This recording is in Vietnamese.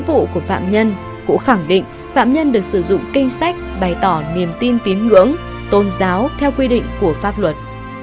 nhiệm vụ của phạm nhân cũng khẳng định phạm nhân được sử dụng kinh sách bày tỏ niềm tin tín ngưỡng tôn giáo theo quy định của pháp luật